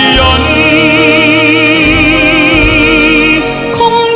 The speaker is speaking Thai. ไม่เร่รวนภาวะผวังคิดกังคัน